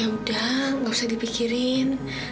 ya udah gak usah dipikirin